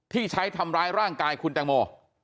ที่ใช้ทำร้ายร่างกายคุณแตงโม